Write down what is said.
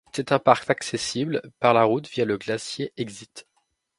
C'est un parc accessible par la route via le glacier Exit.